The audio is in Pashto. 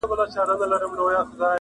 پاتا د ترانو ده غلبلې دي چي راځي!!